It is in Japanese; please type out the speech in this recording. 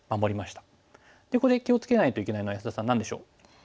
ここで気を付けないといけないのは安田さん何でしょう？